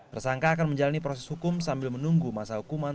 tersangka akan menjalani proses hukum sambil menunggu masa hukuman